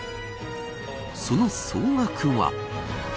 その総額は。